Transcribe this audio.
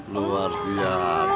luar biasa ya